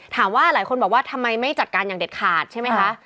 หลายคนบอกว่าทำไมไม่จัดการอย่างเด็ดขาดใช่ไหมคะ